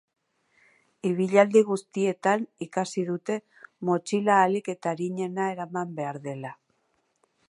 Ibilaldi guztietan ikasi dute motxila ahalik eta arinena eraman behar dela.